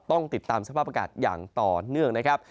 ต้องติดตามสภาพอากาศอย่างต่อเนื่องนะครับ